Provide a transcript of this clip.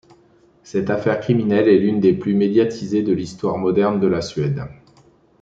Cette affaire criminelle est l'une des plus médiatisées de l'histoire moderne de la Suède.